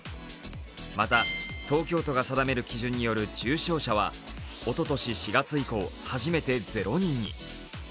また東京都が定める基準による重症者は、おととし４月以降、初めてゼロ人に。